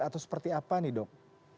atau seperti apa nih dok